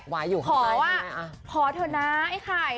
ขอว่าขอเถอะนะไอ้ไข่